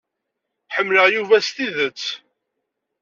Ḥemmleɣ Yuba s tidet.